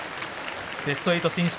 ベスト８進出。